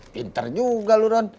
pinter juga lu ron